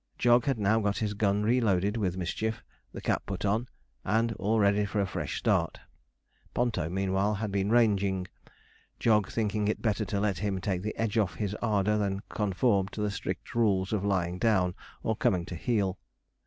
Jog had now got his gun reloaded with mischief, the cap put on, and all ready for a fresh start. Ponto, meanwhile, had been ranging, Jog thinking it better to let him take the edge off his ardour than conform to the strict rules of lying down or coming to heel.